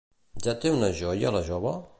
Ja té una joia la jove?